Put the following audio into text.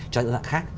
cho những hợp đồng khác